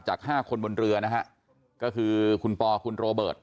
๕คนบนเรือนะฮะก็คือคุณปอคุณโรเบิร์ต